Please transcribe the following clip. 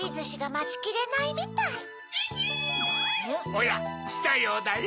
・おやきたようだよ。